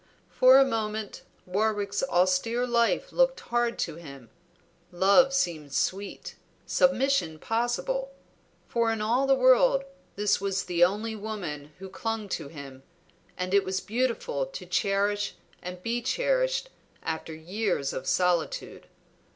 For a moment Warwick's austere life looked hard to him, love seemed sweet, submission possible; for in all the world this was the only woman who clung to him, and it was beautiful to cherish and be cherished after years of solitude.